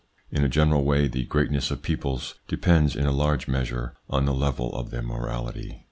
In a general way the greatness of peoples depends in a large measure on the level of their morality.